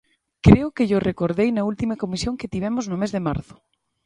Creo que llo recordei na última comisión que tivemos no mes de marzo.